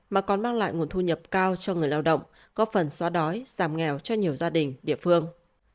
mà còn mang lại nguồn thu nhập cao cho người lao động có phần xóa đói giảm nghèo cho nhiều gia đình địa phương